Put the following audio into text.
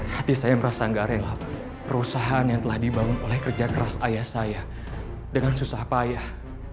hati saya merasa gak rela perusahaan yang telah dibangun oleh kerja keras ayah saya dengan susah payah